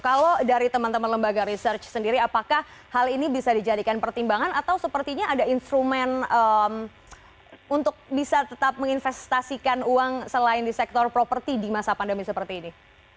kalau dari teman teman lembaga research sendiri apakah hal ini bisa dijadikan pertimbangan atau sepertinya ada instrumen untuk bisa tetap menginvestasikan uang selain di sektor properti di masa pandemi seperti ini